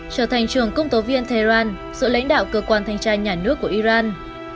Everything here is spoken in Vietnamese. trở thành trường công tố viên tehran sự lãnh đạo cơ quan thanh tra nhà nước của iran